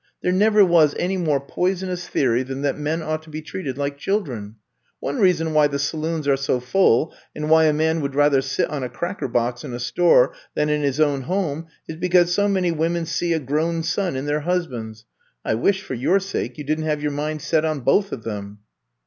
There never was any more poisonous theory than that men ought to be treated like children. One reason why the saloons are so full and why a man would rather sit on a cracker box in a store than in his own home is be cause so many women *see a grown son in their husbands. ' I wish, for your sake, you did n 't have your mind set on both of them.''